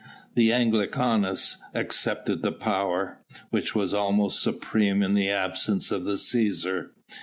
The Anglicanus accepted the power which was almost supreme in the absence of the Cæsar.